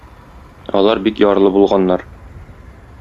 Алар бик ярлы булганнар.